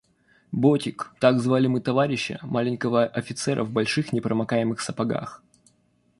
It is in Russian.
«Ботик» — так звали мы товарища, маленького офицера в больших непромокаемых сапогах.